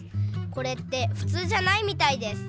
これってふつうじゃないみたいです。